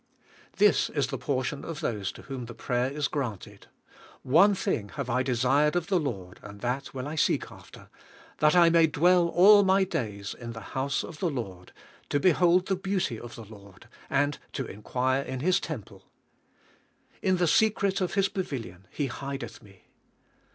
This is the portion of those to Vv'hom the prayer is granted — "One thing have I desired of the Lord, and that will I seek after; that I may dwell all my days in the house of the Lord; to behold the beauty of the Lord, and to inquire in His tern Til A T GOD MA Y BE ALL l.V . ILL ^ 70 pie." "In the secret of His pavilion lie hideth me."